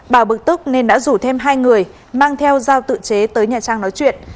bảo bực tức nên đã rủ thêm hai người mang theo dao tự chế tới nhà trang nói chuyện